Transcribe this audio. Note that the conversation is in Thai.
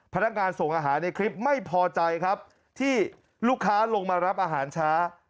พนักงานส่งอาหารในคลิปไม่พอใจครับที่ลูกค้าลงมารับอาหารช้า